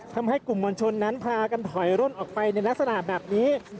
ทำให้กลุ่มมวลชนนั้นพากันถอยร่นออกไปในลักษณะแบบนี้